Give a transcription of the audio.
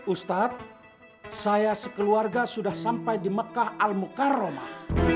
ustadz saya sekeluarga sudah sampai di mekah al mukarramah